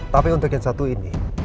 tapi untuk yang satu ini